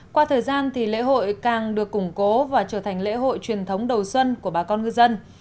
qua thời gian thì lễ hội càng được củng cố và trở thành lễ hội truyền thống đầu xuân của bà con ngư dân